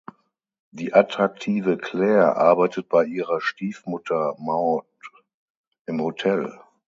Die attraktive Claire arbeitet bei ihrer Stiefmutter Maud im Hotel.